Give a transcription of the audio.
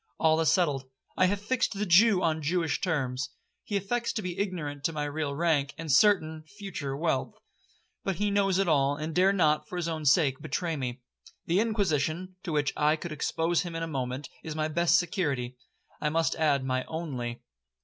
'All is settled—I have fixed the Jew on Jewish terms. He affects to be ignorant of my real rank, and certain (future) wealth, but he knows it all, and dare not, for his own sake, betray me. The Inquisition, to which I could expose him in a moment, is my best security—I must add, my only.